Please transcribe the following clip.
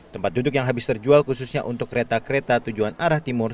tempat duduk yang habis terjual khususnya untuk kereta kereta tujuan arah timur